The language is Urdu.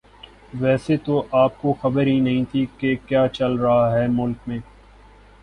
ویسے تو آپ کو خبر ہی نہیں تھی کہ کیا چل رہا ہے ملک میں